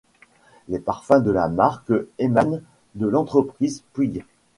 Les parfums de la marque émanent de l'entreprise Puig.